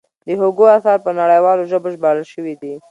د هوګو اثار په نړیوالو ژبو ژباړل شوي دي.